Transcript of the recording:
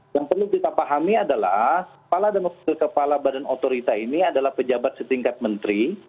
yang perlu kita pahami adalah kepala dan wakil kepala badan otorita ini adalah pejabat setingkat menteri